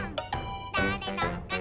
「だれのかな」